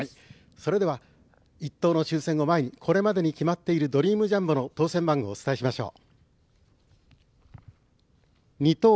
それでは１等の当せんの前にこれまでに決まっているドリームジャンボの当せん番号をお伝えしましょう。